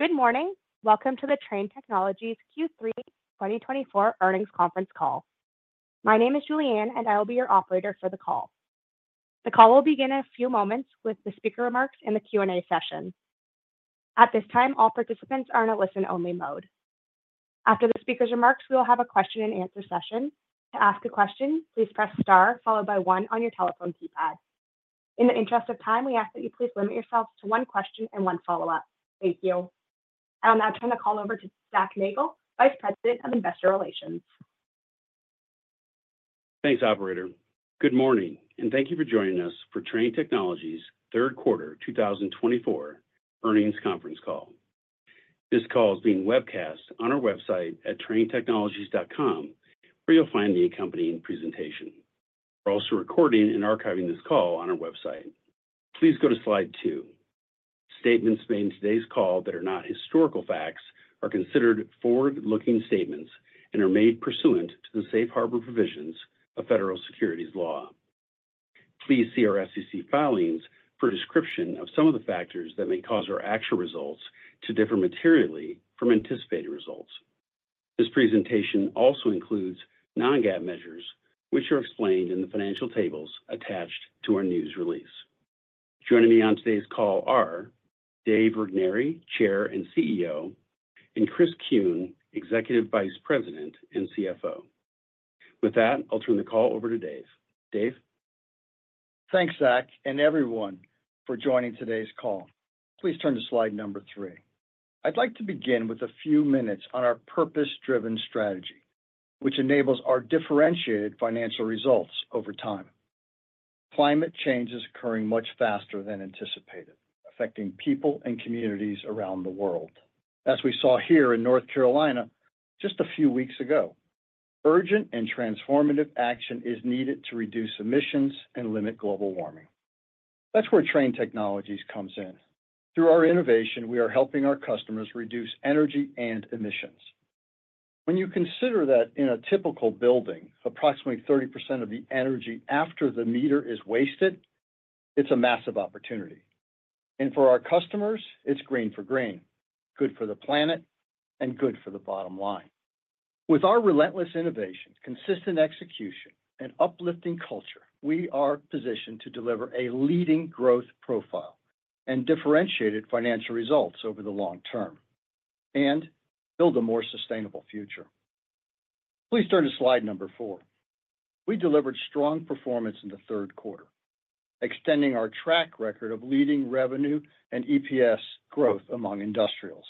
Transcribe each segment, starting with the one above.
Good morning. Welcome to the Trane Technologies Q3 2024 Earnings Conference Call. My name is Julianne, and I will be your operator for the call. The call will begin in a few moments with the speaker remarks and the Q&A session. At this time, all participants are in a listen-only mode. After the speaker's remarks, we will have a Q&A session. To ask a question, please press star followed by one on your telephone keypad. In the interest of time, we ask that you please limit yourselves to one question and one follow-up. Thank you. I'll now turn the call over to Zac Nagle, Vice President of Investor Relations. Thanks, Operator. Good morning, and thank you for joining us for Trane Technologies' Third Quarter 2024 Earnings Conference Call. This call is being webcast on our website at tranetechnologies.com, where you'll find the accompanying presentation. We're also recording and archiving this call on our website. Please go to slide two. Statements made in today's call that are not historical facts are considered forward-looking statements and are made pursuant to the safe harbor provisions of federal securities law. Please see our SEC filings for a description of some of the factors that may cause our actual results to differ materially from anticipated results. This presentation also includes non-GAAP measures, which are explained in the financial tables attached to our news release. Joining me on today's call are Dave Regnery, Chair and CEO, and Chris Kuehn, Executive Vice President and CFO. With that, I'll turn the call over to Dave. Dave? Thanks, Zac, and everyone for joining today's call. Please turn to slide number three. I'd like to begin with a few minutes on our purpose-driven strategy, which enables our differentiated financial results over time. Climate change is occurring much faster than anticipated, affecting people and communities around the world. As we saw here in North Carolina just a few weeks ago, urgent and transformative action is needed to reduce emissions and limit global warming. That's where Trane Technologies comes in. Through our innovation, we are helping our customers reduce energy and emissions. When you consider that in a typical building, approximately 30% of the energy after the meter is wasted, it's a massive opportunity. And for our customers, it's green for green, good for the planet, and good for the bottom line. With our relentless innovation, consistent execution, and uplifting culture, we are positioned to deliver a leading growth profile and differentiated financial results over the long term and build a more sustainable future. Please turn to slide number four. We delivered strong performance in the third quarter, extending our track record of leading revenue and EPS growth among industrials.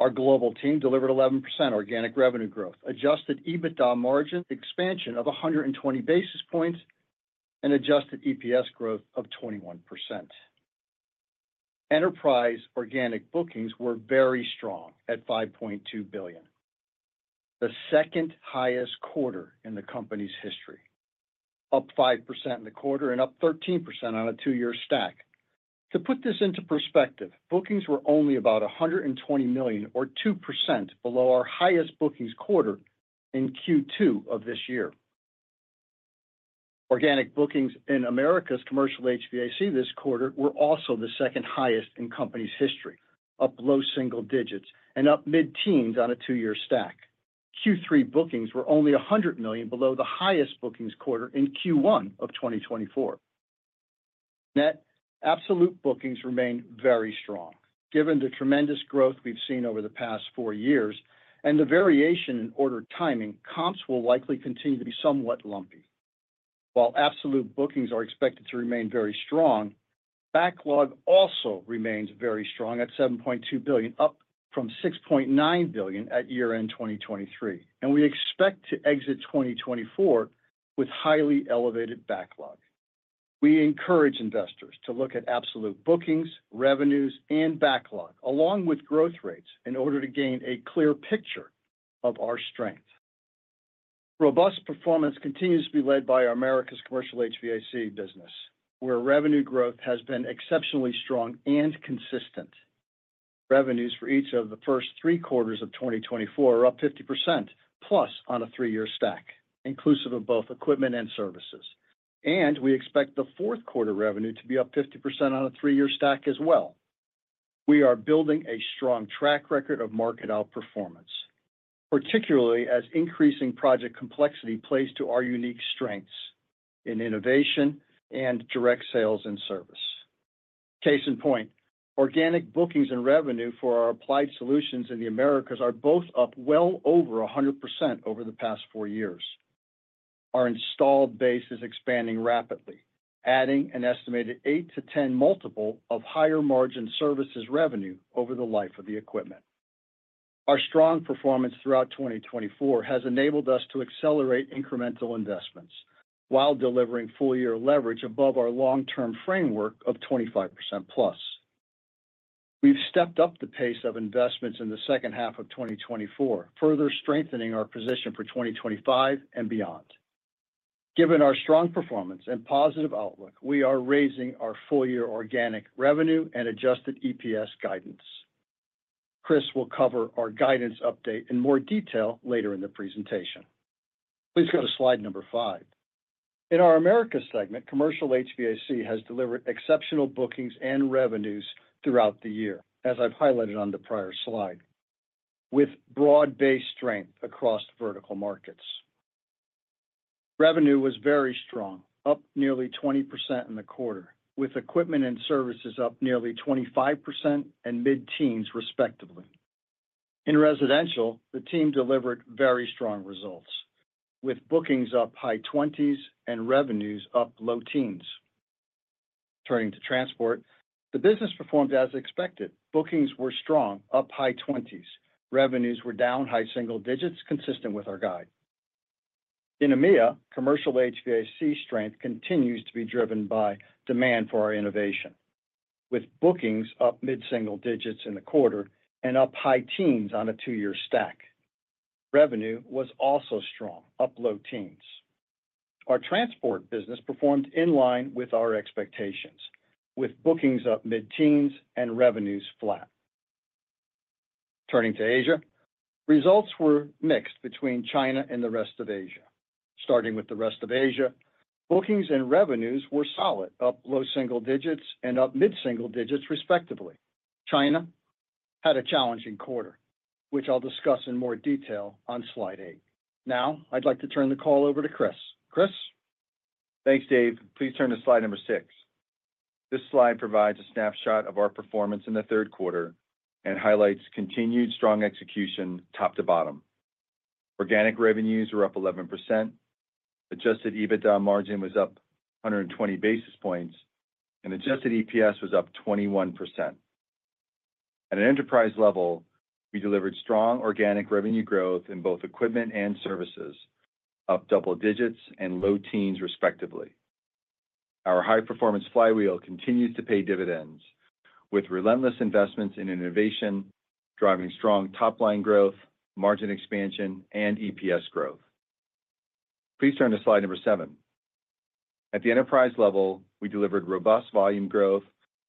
Our global team delivered 11% organic revenue growth, adjusted EBITDA margin expansion of 120 basis points, and adjusted EPS growth of 21%. Enterprise organic bookings were very strong at $5.2 billion, the second highest quarter in the company's history, up 5% in the quarter and up 13% on a two-year stack. To put this into perspective, bookings were only about $120 million, or 2% below our highest bookings quarter in Q2 of this year. Organic bookings in Americas commercial HVAC this quarter were also the second highest in the company's history, up low single digits and up mid-teens on a two-year stack. Q3 bookings were only $100 million below the highest bookings quarter in Q1 of 2024. Net absolute bookings remain very strong. Given the tremendous growth we've seen over the past four years and the variation in order timing, comps will likely continue to be somewhat lumpy. While absolute bookings are expected to remain very strong, backlog also remains very strong at $7.2 billion, up from $6.9 billion at year-end 2023, and we expect to exit 2024 with highly elevated backlog. We encourage investors to look at absolute bookings, revenues, and backlog, along with growth rates, in order to gain a clear picture of our strength. Robust performance continues to be led by Americas commercial HVAC business, where revenue growth has been exceptionally strong and consistent. Revenues for each of the first three quarters of 2024 are up +50% on a three-year stack, inclusive of both equipment and services, and we expect the fourth quarter revenue to be up 50% on a three-year stack as well. We are building a strong track record of market outperformance, particularly as increasing project complexity plays to our unique strengths in innovation and direct sales and service. Case in point, organic bookings and revenue for our applied solutions in the Americas are both up well over 100% over the past four years. Our installed base is expanding rapidly, adding an estimated eight to 10 multiple of higher margin services revenue over the life of the equipment. Our strong performance throughout 2024 has enabled us to accelerate incremental investments while delivering full-year leverage above our long-term framework of +25%. We've stepped up the pace of investments in the second half of 2024, further strengthening our position for 2025 and beyond. Given our strong performance and positive outlook, we are raising our full-year organic revenue and adjusted EPS guidance. Chris will cover our guidance update in more detail later in the presentation. Please go to slide number five. In our Americas segment, commercial HVAC has delivered exceptional bookings and revenues throughout the year, as I've highlighted on the prior slide, with broad-based strength across vertical markets. Revenue was very strong, up nearly 20% in the quarter, with equipment and services up nearly 25% and mid-teens, respectively. In residential, the team delivered very strong results, with bookings up high 20s and revenues up low teens. Turning to transport, the business performed as expected. Bookings were strong, up high-20s%. Revenues were down high-single-digits%, consistent with our guide. In EMEA, commercial HVAC strength continues to be driven by demand for our innovation, with bookings up mid-single-digits% in the quarter and up high-teens% on a two-year stack. Revenue was also strong, up low-teens%. Our transport business performed in line with our expectations, with bookings up mid-teens% and revenues flat. Turning to Asia, results were mixed between China and the rest of Asia. Starting with the rest of Asia, bookings and revenues were solid, up low-single-digits% and up mid-single-digits%, respectively. China had a challenging quarter, which I'll discuss in more detail on slide eight. Now, I'd like to turn the call over to Chris. Chris? Thanks, Dave. Please turn to slide number six. This slide provides a snapshot of our performance in the third quarter and highlights continued strong execution top to bottom. Organic revenues were up 11%. Adjusted EBITDA margin was up 120 basis points, and adjusted EPS was up 21%. At an enterprise level, we delivered strong organic revenue growth in both equipment and services, up double digits and low teens, respectively. Our high-performance flywheel continues to pay dividends, with relentless investments in innovation driving strong top-line growth, margin expansion, and EPS growth. Please turn to slide number seven. At the enterprise level, we delivered robust volume growth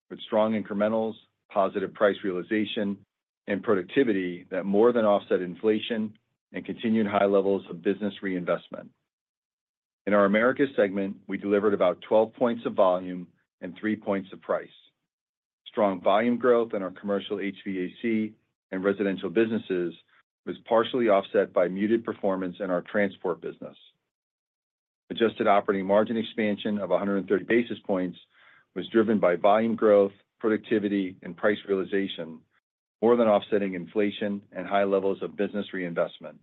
with strong incrementals, positive price realization, and productivity that more than offset inflation and continued high levels of business reinvestment. In our Americas segment, we delivered about 12 points of volume and three points of price. Strong volume growth in our commercial HVAC and residential businesses was partially offset by muted performance in our transport business. Adjusted operating margin expansion of 130 basis points was driven by volume growth, productivity, and price realization, more than offsetting inflation and high levels of business reinvestment.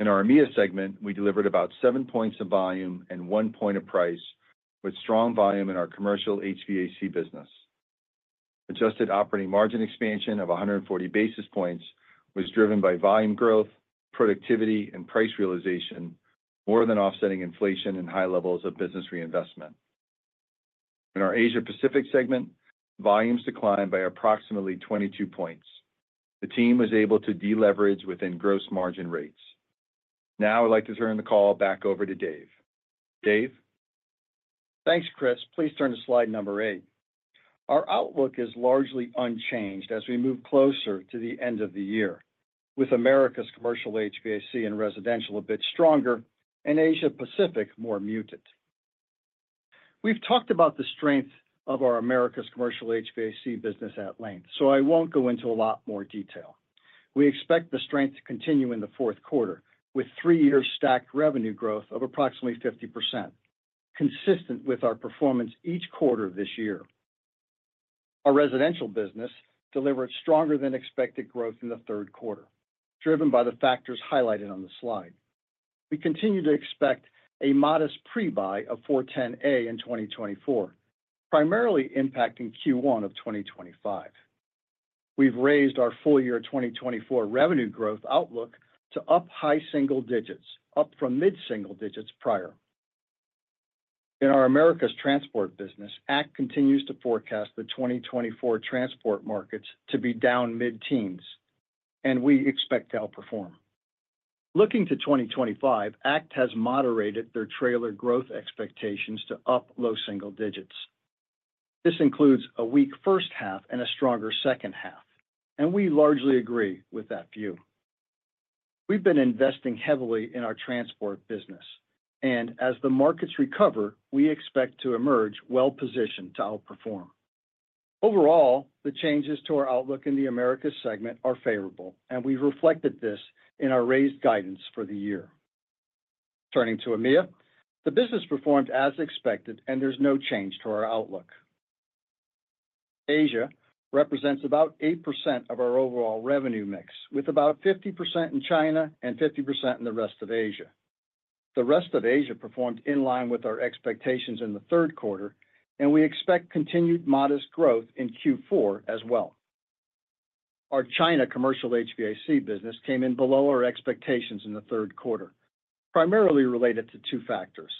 In our EMEA segment, we delivered about 7 points of volume and 1 point of price, with strong volume in our commercial HVAC business. Adjusted operating margin expansion of 140 basis points was driven by volume growth, productivity, and price realization, more than offsetting inflation and high levels of business reinvestment. In our Asia-Pacific segment, volumes declined by approximately 22 points. The team was able to deleverage within gross margin rates. Now, I'd like to turn the call back over to Dave. Dave? Thanks, Chris. Please turn to slide number eight. Our outlook is largely unchanged as we move closer to the end of the year, with Americas commercial HVAC and residential a bit stronger and Asia-Pacific more muted. We've talked about the strength of our Americas commercial HVAC business at length, so I won't go into a lot more detail. We expect the strength to continue in the fourth quarter, with three-year stacked revenue growth of approximately 50%, consistent with our performance each quarter this year. Our residential business delivered stronger-than-expected growth in the third quarter, driven by the factors highlighted on the slide. We continue to expect a modest pre-buy of 410A in 2024, primarily impacting Q1 of 2025. We've raised our full-year 2024 revenue growth outlook to up high single digits, up from mid-single digits prior. In our Americas transport business, ACT continues to forecast the 2024 transport markets to be down mid-teens, and we expect to outperform. Looking to 2025, ACT has moderated their trailer growth expectations to up low single digits. This includes a weak first half and a stronger second half, and we largely agree with that view. We've been investing heavily in our transport business, and as the markets recover, we expect to emerge well-positioned to outperform. Overall, the changes to our outlook in the Americas segment are favorable, and we've reflected this in our raised guidance for the year. Turning to EMEA, the business performed as expected, and there's no change to our outlook. Asia represents about 8% of our overall revenue mix, with about 50% in China and 50% in the rest of Asia. The rest of Asia performed in line with our expectations in the third quarter, and we expect continued modest growth in Q4 as well. Our China commercial HVAC business came in below our expectations in the third quarter, primarily related to two factors.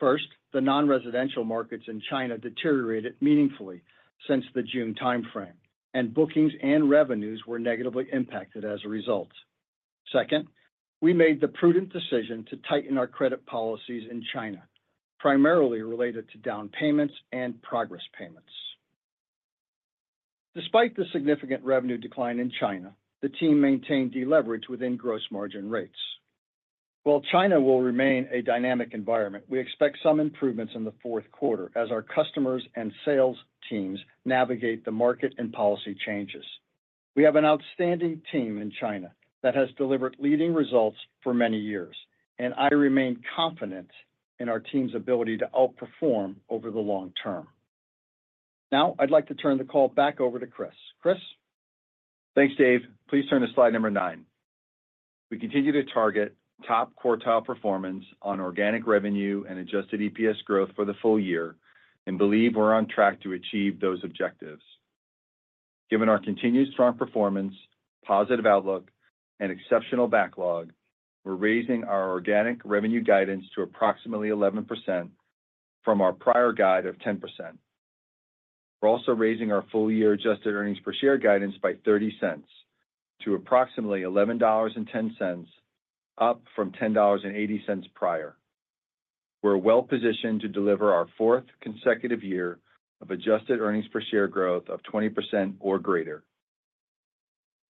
First, the non-residential markets in China deteriorated meaningfully since the June timeframe, and bookings and revenues were negatively impacted as a result. Second, we made the prudent decision to tighten our credit policies in China, primarily related to down payments and progress payments. Despite the significant revenue decline in China, the team maintained deleverage within gross margin rates. While China will remain a dynamic environment, we expect some improvements in the fourth quarter as our customers and sales teams navigate the market and policy changes. We have an outstanding team in China that has delivered leading results for many years, and I remain confident in our team's ability to outperform over the long term. Now, I'd like to turn the call back over to Chris. Chris? Thanks, Dave. Please turn to slide number nine. We continue to target top quartile performance on organic revenue and adjusted EPS growth for the full year and believe we're on track to achieve those objectives. Given our continued strong performance, positive outlook, and exceptional backlog, we're raising our organic revenue guidance to approximately 11% from our prior guide of 10%. We're also raising our full-year adjusted earnings per share guidance by 30 cents to approximately $11.10, up from $10.80 prior. We're well-positioned to deliver our fourth consecutive year of adjusted earnings per share growth of 20% or greater.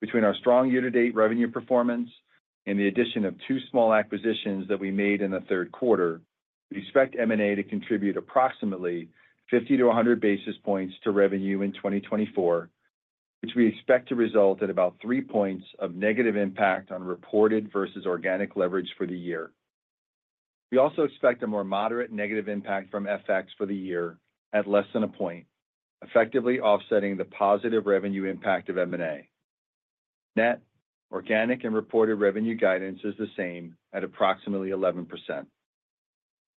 Between our strong year-to-date revenue performance and the addition of two small acquisitions that we made in the third quarter, we expect M&A to contribute approximately 50-100 basis points to revenue in 2024, which we expect to result in about 3 points of negative impact on reported versus organic leverage for the year. We also expect a more moderate negative impact from FX for the year at less than a point, effectively offsetting the positive revenue impact of M&A. Net, organic, and reported revenue guidance is the same at approximately 11%.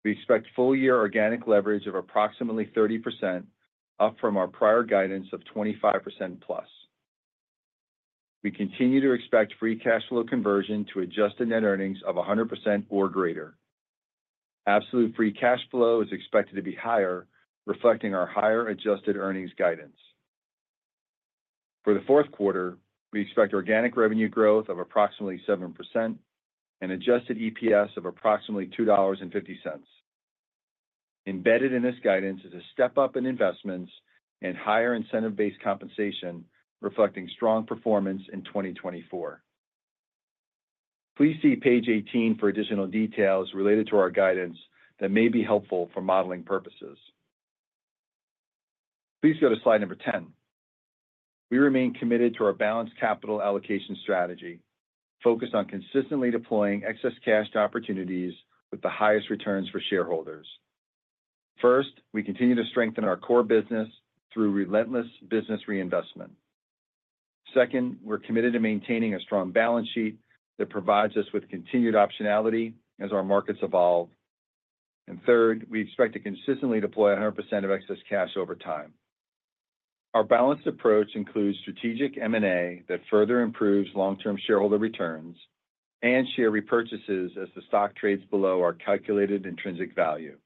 We expect full-year organic leverage of approximately 30%, up from our prior guidance of +25%. We continue to expect free cash flow conversion to adjusted net earnings of 100% or greater. Absolute free cash flow is expected to be higher, reflecting our higher adjusted earnings guidance. For the fourth quarter, we expect organic revenue growth of approximately 7% and Adjusted EPS of approximately $2.50. Embedded in this guidance is a step-up in investments and higher incentive-based compensation, reflecting strong performance in 2024. Please see page 18 for additional details related to our guidance that may be helpful for modeling purposes. Please go to slide number 10. We remain committed to our balanced capital allocation strategy, focused on consistently deploying excess cash to opportunities with the highest returns for shareholders. First, we continue to strengthen our core business through relentless business reinvestment. Second, we're committed to maintaining a strong balance sheet that provides us with continued optionality as our markets evolve. And third, we expect to consistently deploy 100% of excess cash over time. Our balanced approach includes strategic M&A that further improves long-term shareholder returns and share repurchases as the stock trades below our calculated intrinsic value.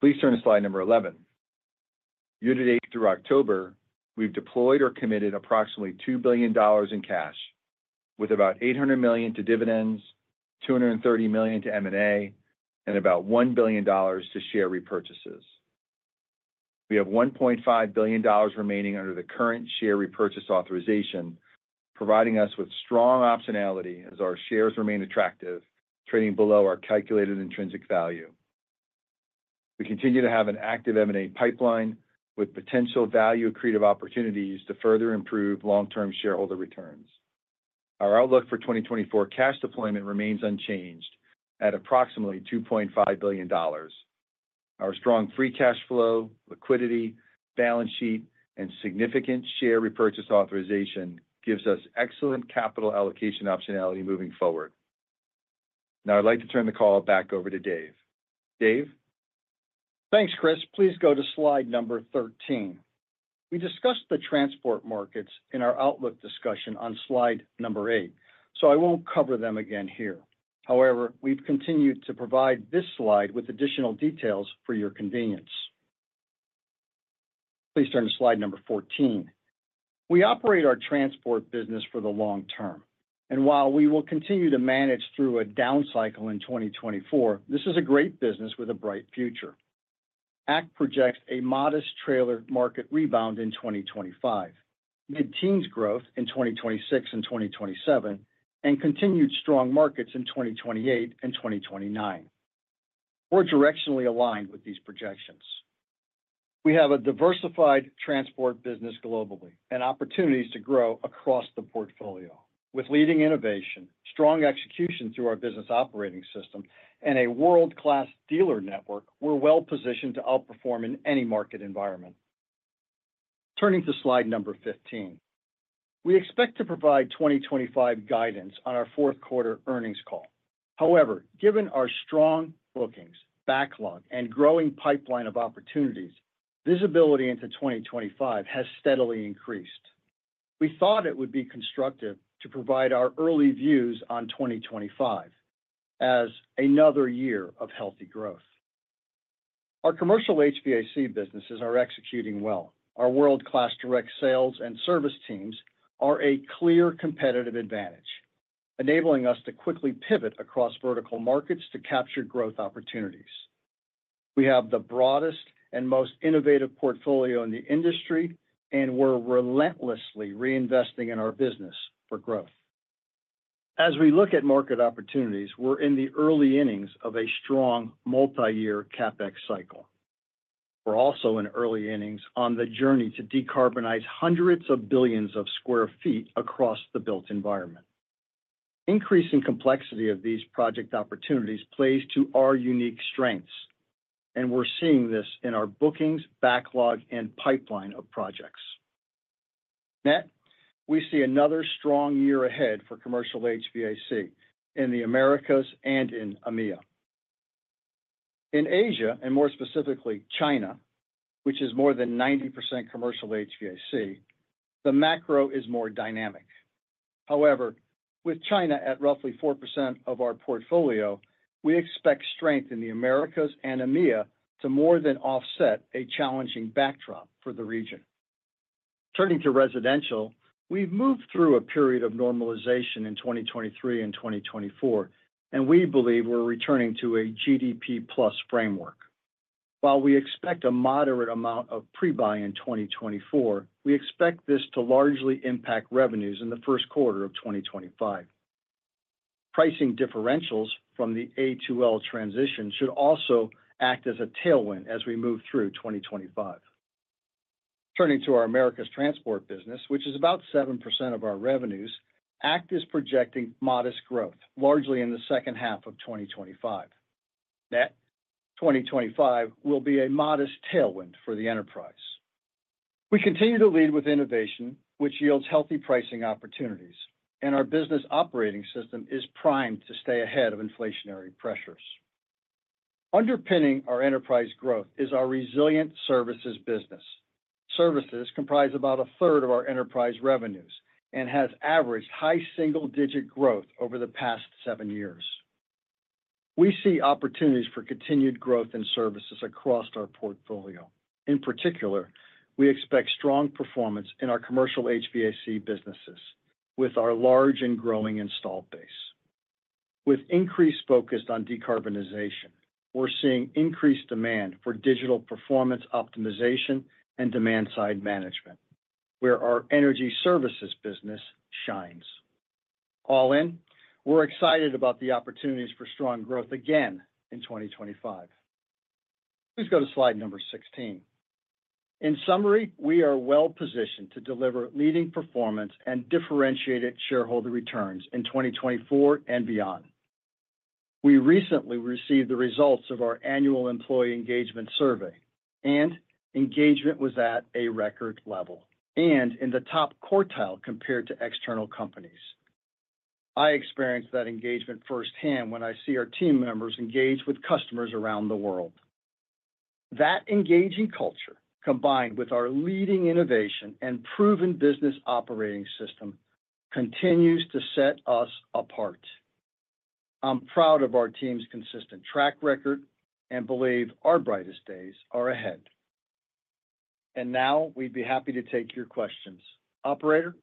Please turn to slide number 11. Year-to-date through October, we've deployed or committed approximately $2 billion in cash, with about $800 million to dividends, $230 million to M&A, and about $1 billion to share repurchases. We have $1.5 billion remaining under the current share repurchase authorization, providing us with strong optionality as our shares remain attractive, trading below our calculated intrinsic value. We continue to have an active M&A pipeline with potential value-accretive opportunities to further improve long-term shareholder returns. Our outlook for 2024 cash deployment remains unchanged at approximately $2.5 billion. Our strong free cash flow, liquidity, balance sheet, and significant share repurchase authorization gives us excellent capital allocation optionality moving forward. Now, I'd like to turn the call back over to Dave. Dave? Thanks, Chris. Please go to slide number 13. We discussed the transport markets in our outlook discussion on slide number eight, so I won't cover them again here. However, we've continued to provide this slide with additional details for your convenience. Please turn to slide number 14. We operate our transport business for the long term, and while we will continue to manage through a down cycle in 2024, this is a great business with a bright future. ACT projects a modest trailer market rebound in 2025, mid-teens growth in 2026 and 2027, and continued strong markets in 2028 and 2029. We're directionally aligned with these projections. We have a diversified transport business globally and opportunities to grow across the portfolio. With leading innovation, strong execution through our Business Operating System, and a world-class dealer network, we're well-positioned to outperform in any market environment. Turning to slide number 15. We expect to provide 2025 guidance on our fourth quarter earnings call. However, given our strong bookings, backlog, and growing pipeline of opportunities, visibility into 2025 has steadily increased. We thought it would be constructive to provide our early views on 2025 as another year of healthy growth. Our commercial HVAC businesses are executing well. Our world-class direct sales and service teams are a clear competitive advantage, enabling us to quickly pivot across vertical markets to capture growth opportunities. We have the broadest and most innovative portfolio in the industry, and we're relentlessly reinvesting in our business for growth. As we look at market opportunities, we're in the early innings of a strong multi-year CapEx cycle. We're also in early innings on the journey to decarbonize hundreds of billions of sq ft across the built environment. Increasing complexity of these project opportunities plays to our unique strengths, and we're seeing this in our bookings, backlog, and pipeline of projects. Net, we see another strong year ahead for commercial HVAC in the Americas and in EMEA. In Asia, and more specifically China, which is more than 90% commercial HVAC, the macro is more dynamic. However, with China at roughly 4% of our portfolio, we expect strength in the Americas and EMEA to more than offset a challenging backdrop for the region. Turning to residential, we've moved through a period of normalization in 2023 and 2024, and we believe we're returning to a GDP-plus framework. While we expect a moderate amount of pre-buy in 2024, we expect this to largely impact revenues in the first quarter of 2025. Pricing differentials from the A2L transition should also act as a tailwind as we move through 2025. Turning to our Americas transport business, which is about 7% of our revenues, ACT is projecting modest growth, largely in the second half of 2025. Net, 2025 will be a modest tailwind for the enterprise. We continue to lead with innovation, which yields healthy pricing opportunities, and our Business Operating System is primed to stay ahead of inflationary pressures. Underpinning our enterprise growth is our resilient services business. Services comprise about a third of our enterprise revenues and have averaged high single-digit growth over the past seven years. We see opportunities for continued growth in services across our portfolio. In particular, we expect strong performance in our commercial HVAC businesses with our large and growing installed base. With increased focus on decarbonization, we're seeing increased demand for digital performance optimization and demand-side management, where our energy services business shines. All in, we're excited about the opportunities for strong growth again in 2025. Please go to slide number 16. In summary, we are well-positioned to deliver leading performance and differentiated shareholder returns in 2024 and beyond. We recently received the results of our annual employee engagement survey, and engagement was at a record level and in the top quartile compared to external companies. I experienced that engagement firsthand when I see our team members engage with customers around the world. That engaging culture, combined with our leading innovation and proven Business Operating System, continues to set us apart. I'm proud of our team's consistent track record and believe our brightest days are ahead. And now, we'd be happy to take your questions. Operator?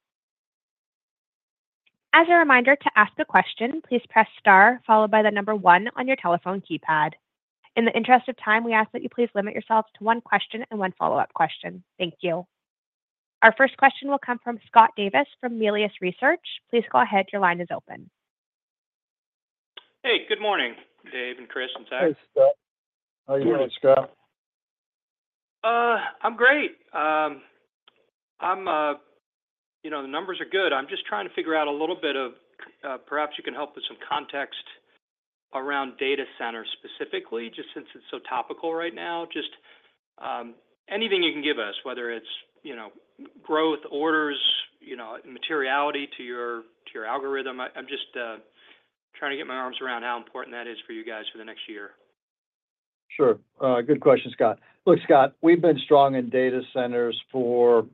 As a reminder to ask a question, please press star, followed by the number one on your telephone keypad. In the interest of time, we ask that you please limit yourself to one question and one follow-up question. Thank you. Our first question will come from Scott Davis from Melius Research. Please go ahead. Your line is open. Hey, good morning, Dave and Chris and Zac. Hey, Scott. How are you doing, Scott? I'm great. The numbers are good. I'm just trying to figure out a little bit of perhaps you can help with some context around data centers specifically, just since it's so topical right now. Just anything you can give us, whether it's growth, orders, materiality to your algorithm. I'm just trying to get my arms around how important that is for you guys for the next year. Sure. Good question, Scott. Look, Scott, we've been strong in data centers for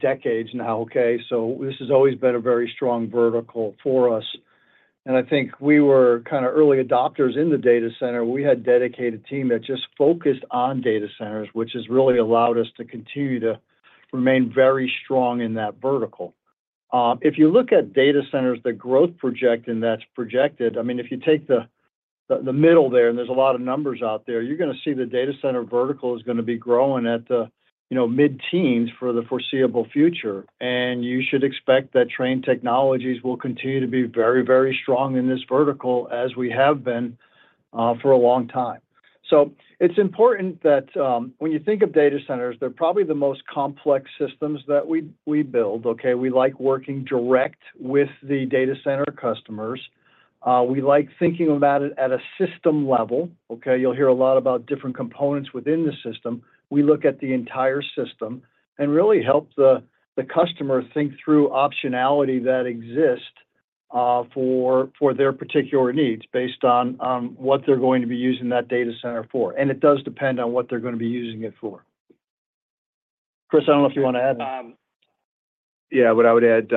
decades now, okay? So this has always been a very strong vertical for us. And I think we were kind of early adopters in the data center. We had a dedicated team that just focused on data centers, which has really allowed us to continue to remain very strong in that vertical. If you look at data centers, the growth project and that's projected, I mean, if you take the middle there and there's a lot of numbers out there, you're going to see the data center vertical is going to be growing at the mid-teens for the foreseeable future. And you should expect that Trane Technologies will continue to be very, very strong in this vertical as we have been for a long time. So it's important that when you think of data centers, they're probably the most complex systems that we build, okay? We like working direct with the data center customers. We like thinking about it at a system level, okay? You'll hear a lot about different components within the system. We look at the entire system and really help the customer think through optionality that exists for their particular needs based on what they're going to be using that data center for. And it does depend on what they're going to be using it for. Chris, I don't know if you want to add anything. Yeah. What I would add,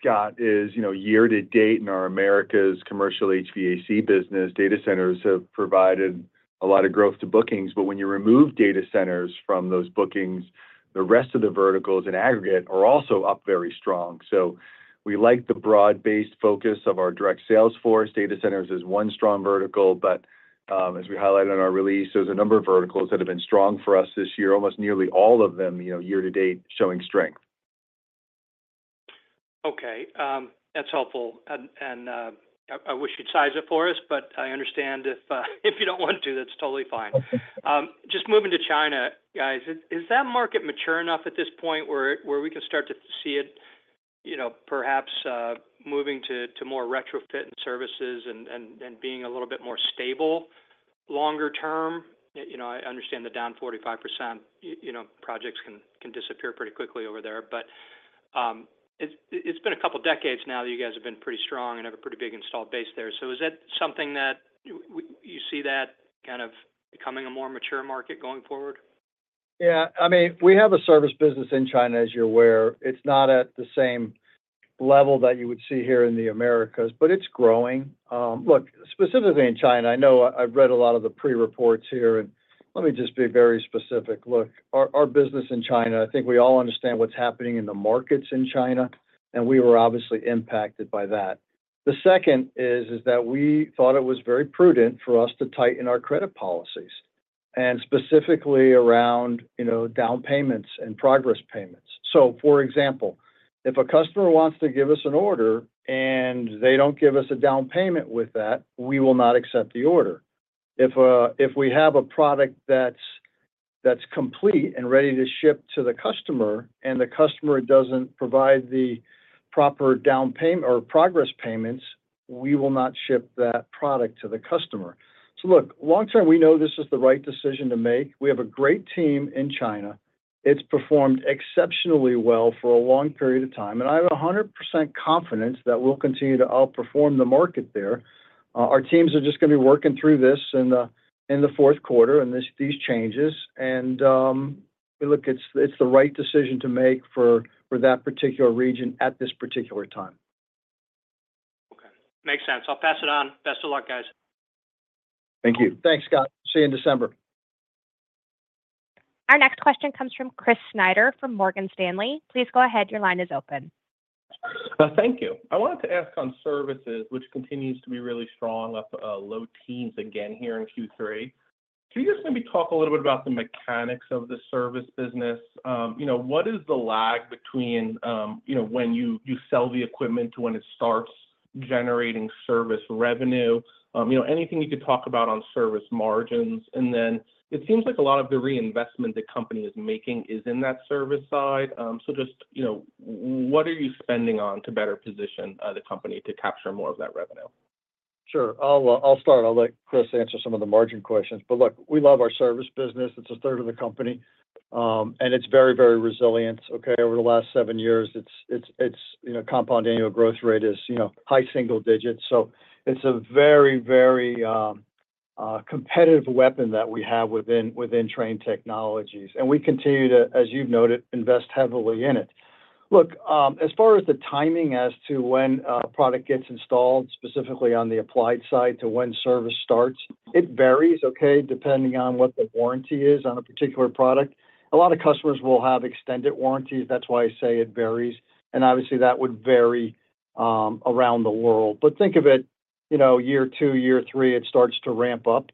Scott, is year-to-date in our Americas commercial HVAC business, data centers have provided a lot of growth to bookings. But when you remove data centers from those bookings, the rest of the verticals in aggregate are also up very strong. So we like the broad-based focus of our direct sales force. Data centers is one strong vertical, but as we highlighted in our release, there's a number of verticals that have been strong for us this year, almost nearly all of them year-to-date showing strength. Okay. That's helpful. And I wish you'd size it for us, but I understand if you don't want to, that's totally fine. Just moving to China, guys, is that market mature enough at this point where we can start to see it perhaps moving to more retrofit and services and being a little bit more stable longer term? I understand the down 45% projects can disappear pretty quickly over there, but it's been a couple of decades now that you guys have been pretty strong and have a pretty big install base there. So is that something that you see that kind of becoming a more mature market going forward? Yeah. I mean, we have a service business in China, as you're aware. It's not at the same level that you would see here in the Americas, but it's growing. Look, specifically in China, I know I've read a lot of the pre-reports here, and let me just be very specific. Look, our business in China, I think we all understand what's happening in the markets in China, and we were obviously impacted by that. The second is that we thought it was very prudent for us to tighten our credit policies, and specifically around down payments and progress payments. So, for example, if a customer wants to give us an order and they don't give us a down payment with that, we will not accept the order. If we have a product that's complete and ready to ship to the customer and the customer doesn't provide the proper down payment or progress payments, we will not ship that product to the customer. So look, long term, we know this is the right decision to make. We have a great team in China. It's performed exceptionally well for a long period of time, and I have 100% confidence that we'll continue to outperform the market there. Our teams are just going to be working through this in the fourth quarter and these changes. And look, it's the right decision to make for that particular region at this particular time. Okay. Makes sense. I'll pass it on. Best of luck, guys. Thank you. Thanks, Scott. See you in December. Our next question comes from Chris Snyder from Morgan Stanley. Please go ahead. Your line is open. Thank you. I wanted to ask on services, which continues to be really strong up low teens again here in Q3. Can you just maybe talk a little bit about the mechanics of the service business? What is the lag between when you sell the equipment to when it starts generating service revenue? Anything you could talk about on service margins? And then it seems like a lot of the reinvestment the company is making is in that service side. So just what are you spending on to better position the company to capture more of that revenue? Sure. I'll start. I'll let Chris answer some of the margin questions. But look, we love our service business. It's a third of the company, and it's very, very resilient. Okay? Over the last seven years, its compound annual growth rate is high single digits. So it's a very, very competitive weapon that we have within Trane Technologies. And we continue to, as you've noted, invest heavily in it. Look, as far as the timing as to when a product gets installed, specifically on the applied side to when service starts, it varies, okay, depending on what the warranty is on a particular product. A lot of customers will have extended warranties. That's why I say it varies. And obviously, that would vary around the world. But think of it, year two, year three, it starts to ramp up.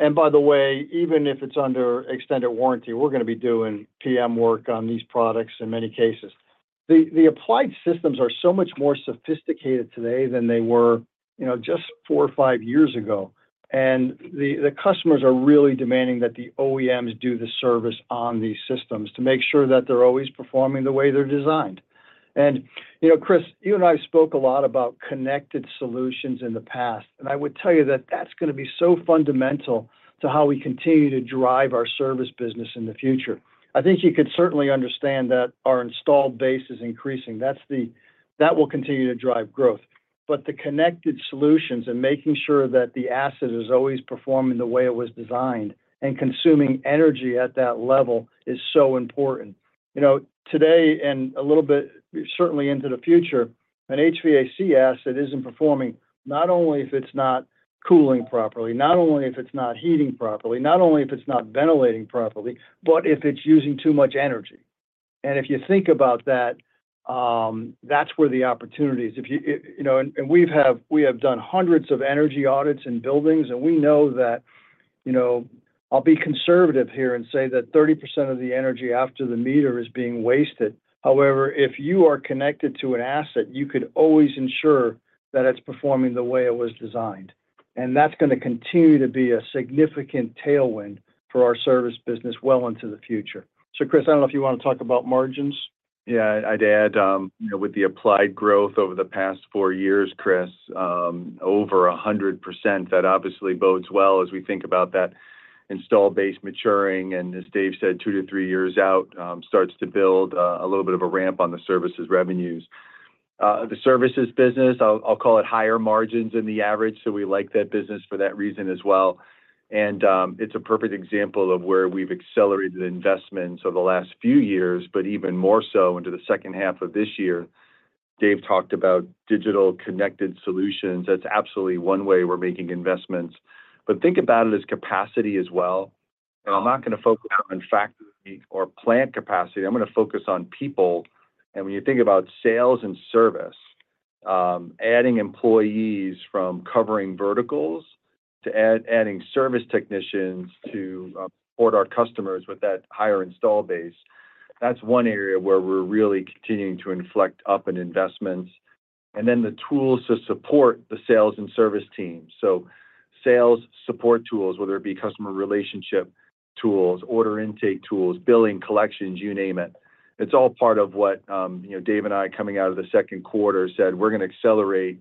And by the way, even if it's under extended warranty, we're going to be doing PM work on these products in many cases. The applied systems are so much more sophisticated today than they were just four or five years ago. And the customers are really demanding that the OEMs do the service on these systems to make sure that they're always performing the way they're designed. And Chris, you and I have spoke a lot about connected solutions in the past, and I would tell you that that's going to be so fundamental to how we continue to drive our service business in the future. I think you could certainly understand that our install base is increasing. That will continue to drive growth. But the connected solutions and making sure that the asset is always performing the way it was designed and consuming energy at that level is so important. Today and a little bit certainly into the future, an HVAC asset isn't performing not only if it's not cooling properly, not only if it's not heating properly, not only if it's not ventilating properly, but if it's using too much energy. And if you think about that, that's where the opportunity is. And we have done hundreds of energy audits in buildings, and we know that I'll be conservative here and say that 30% of the energy after the meter is being wasted. However, if you are connected to an asset, you could always ensure that it's performing the way it was designed. And that's going to continue to be a significant tailwind for our service business well into the future. So, Chris, I don't know if you want to talk about margins. Yeah. I'd add with the applied growth over the past four years, Chris, over 100%, that obviously bodes well as we think about that install base maturing. And as Dave said, two to three years out, starts to build a little bit of a ramp on the services revenues. The services business, I'll call it higher margins than the average. So we like that business for that reason as well. And it's a perfect example of where we've accelerated investments over the last few years, but even more so into the second half of this year. Dave talked about digital connected solutions. That's absolutely one way we're making investments. But think about it as capacity as well. And I'm not going to focus on factory or plant capacity. I'm going to focus on people. And when you think about sales and service, adding employees from covering verticals to adding service technicians to support our customers with that higher install base, that's one area where we're really continuing to inflect up in investments. And then the tools to support the sales and service team. So sales support tools, whether it be customer relationship tools, order intake tools, billing collections, you name it. It's all part of what Dave and I coming out of the second quarter said, "We're going to accelerate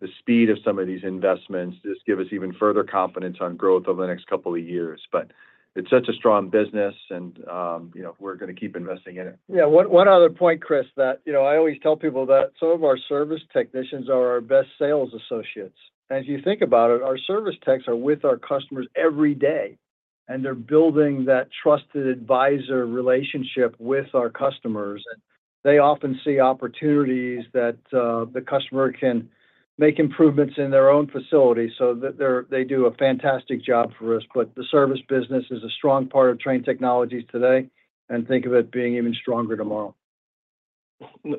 the speed of some of these investments to just give us even further confidence on growth over the next couple of years." But it's such a strong business, and we're going to keep investing in it. Yeah. One other point, Chris, that I always tell people that some of our service technicians are our best sales associates. And if you think about it, our service techs are with our customers every day, and they're building that trusted advisor relationship with our customers. And they often see opportunities that the customer can make improvements in their own facility. So they do a fantastic job for us. But the service business is a strong part of Trane Technologies today, and think of it being even stronger tomorrow.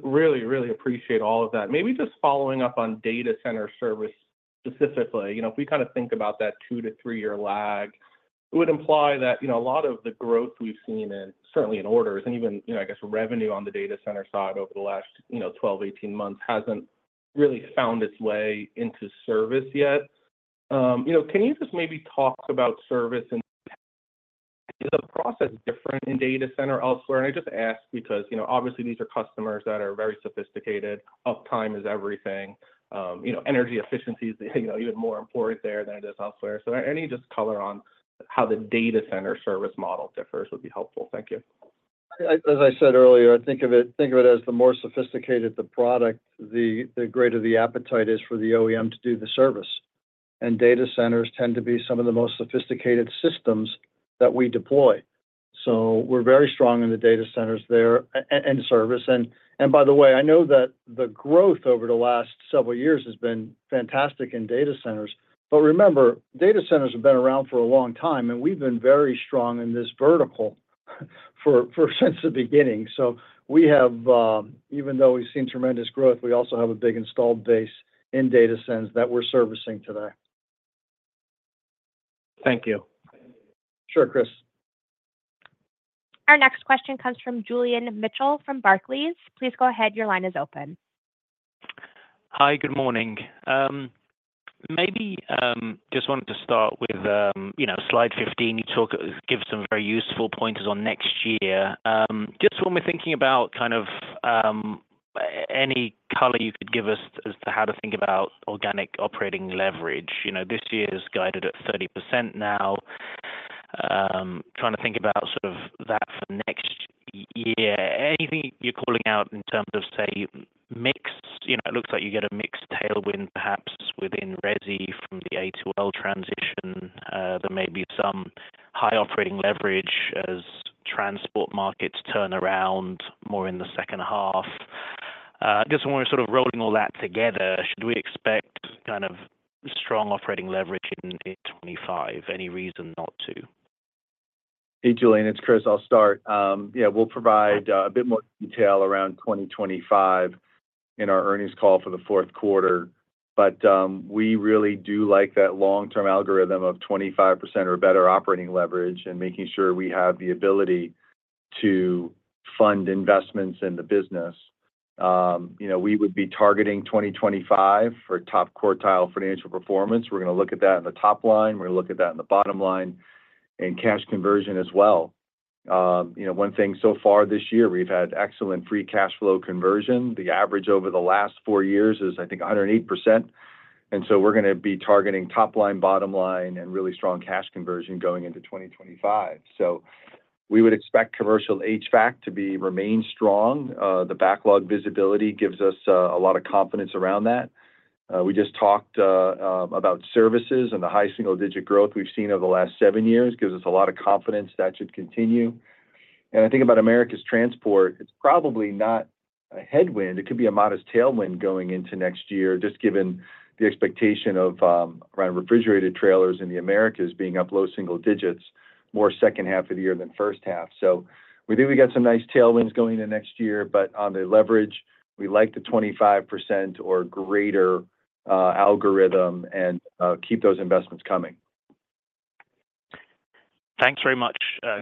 Really, really appreciate all of that. Maybe just following up on data center service specifically, if we kind of think about that two- to three-year lag, it would imply that a lot of the growth we've seen, certainly, in orders and even, I guess, revenue on the data center side over the last 12-18 months hasn't really found its way into service yet. Can you just maybe talk about service, and is the process different in data center elsewhere? And I just ask because obviously, these are customers that are very sophisticated. Uptime is everything. Energy efficiency is even more important there than it is elsewhere. So any just color on how the data center service model differs would be helpful. Thank you. As I said earlier, think of it as the more sophisticated the product, the greater the appetite is for the OEM to do the service. And data centers tend to be some of the most sophisticated systems that we deploy. So we're very strong in the data centers there and service. And by the way, I know that the growth over the last several years has been fantastic in data centers. But remember, data centers have been around for a long time, and we've been very strong in this vertical since the beginning. So even though we've seen tremendous growth, we also have a big install base in data centers that we're servicing today. Thank you. Sure, Chris. Our next question comes from Julian Mitchell from Barclays. Please go ahead. Your line is open. Hi. Good morning. Maybe just wanted to start with slide 15. You give some very useful points on next year. Just when we're thinking about kind of any color you could give us as to how to think about organic operating leverage. This year is guided at 30% now. Trying to think about sort of that for next year. Anything you're calling out in terms of, say, mixed? It looks like you get a mixed tailwind perhaps within resi from the A2L transition. There may be some high operating leverage as transport markets turn around more in the second half. Just when we're sort of rolling all that together, should we expect kind of strong operating leverage in 2025? Any reason not to? Hey, Julian. It's Chris. I'll start. Yeah. We'll provide a bit more detail around 2025 in our earnings call for the fourth quarter. But we really do like that long-term algorithm of 25% or better operating leverage and making sure we have the ability to fund investments in the business. We would be targeting 2025 for top quartile financial performance. We're going to look at that in the top line. We're going to look at that in the bottom line and cash conversion as well. One thing so far this year, we've had excellent free cash flow conversion. The average over the last four years is, I think, 108%. And so we're going to be targeting top line, bottom line, and really strong cash conversion going into 2025. So we would expect commercial HVAC to remain strong. The backlog visibility gives us a lot of confidence around that. We just talked about services, and the high single-digit growth we've seen over the last seven years gives us a lot of confidence that should continue. And I think about Americas transport, it's probably not a headwind. It could be a modest tailwind going into next year, just given the expectation around refrigerated trailers in the Americas being up low single digits more second half of the year than first half. So we think we got some nice tailwinds going into next year. But on the leverage, we like the 25% or greater algorithm and keep those investments coming. Thanks very much,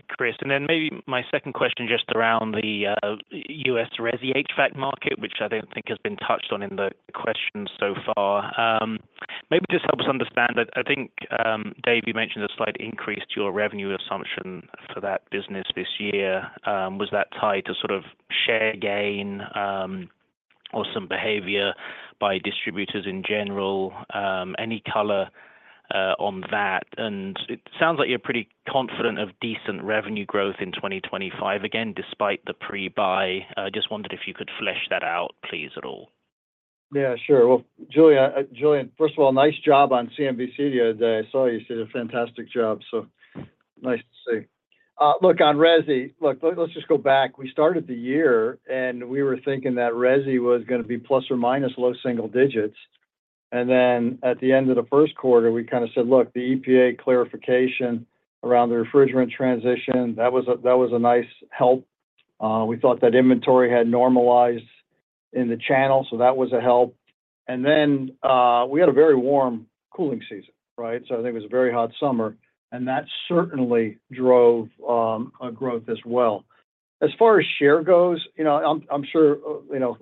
Chris. And then maybe my second question just around the U.S. resi HVAC market, which I don't think has been touched on in the question so far. Maybe just help us understand that I think Dave, you mentioned a slight increase to your revenue assumption for that business this year. Was that tied to sort of share gain or some behavior by distributors in general? Any color on that? And it sounds like you're pretty confident of decent revenue growth in 2025, again, despite the pre-buy. I just wondered if you could flesh that out, please, at all. Yeah. Sure. Well, Julian, first of all, nice job on CNBC the other day. I saw you. You did a fantastic job. So nice to see. Look, on resi, look, let's just go back. We started the year, and we were thinking that resi was going to be plus or minus low single digits. And then at the end of the first quarter, we kind of said, "Look, the EPA clarification around the refrigerant transition, that was a nice help." We thought that inventory had normalized in the channel, so that was a help. And then we had a very warm cooling season, right? So I think it was a very hot summer, and that certainly drove growth as well. As far as share goes, I'm sure,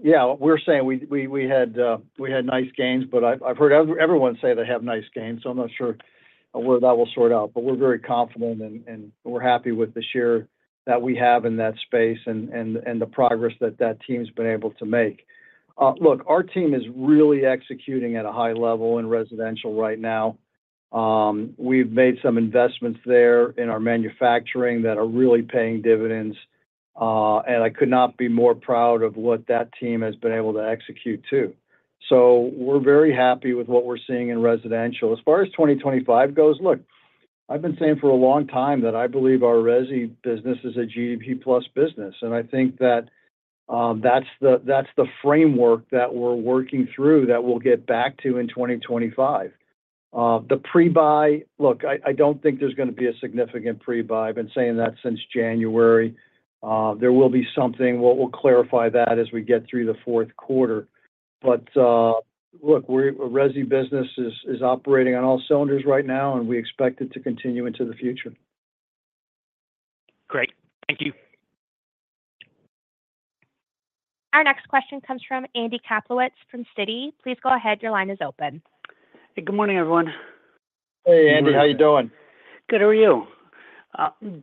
yeah, we're saying we had nice gains, but I've heard everyone say they have nice gains. So I'm not sure where that will sort out. But we're very confident, and we're happy with the share that we have in that space and the progress that that team's been able to make. Look, our team is really executing at a high level in residential right now. We've made some investments there in our manufacturing that are really paying dividends. And I could not be more proud of what that team has been able to execute too. So we're very happy with what we're seeing in residential. As far as 2025 goes, look, I've been saying for a long time that I believe our resi business is a GDP-plus business. And I think that that's the framework that we're working through that we'll get back to in 2025. The pre-buy, look, I don't think there's going to be a significant pre-buy. I've been saying that since January. There will be something. We'll clarify that as we get through the fourth quarter, but look, resi business is operating on all cylinders right now, and we expect it to continue into the future. Great. Thank you. Our next question comes from Andy Kaplowitz from Citi. Please go ahead. Your line is open. Hey, good morning, everyone. Hey, Andy. How are you doing? Good. How are you?